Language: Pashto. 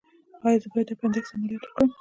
ایا زه باید د اپنډکس عملیات وکړم؟